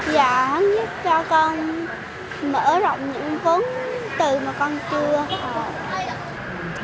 dạng giúp cho con mở rộng những vấn từ mà con chưa